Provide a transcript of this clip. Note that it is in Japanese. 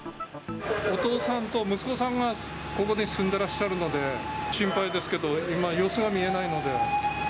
お父さんと息子さんが、ここで住んでらっしゃるので、心配ですけど、今、様子が見えないので。